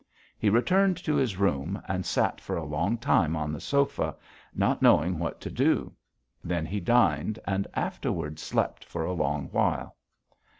He returned to his room and sat for a long time on the sofa, not knowing what to do. Then he dined and afterward slept for a long while.